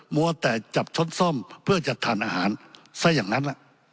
มัวแต่จับชดซ่อมเพื่อจะทานอาหารซะอย่างนั้น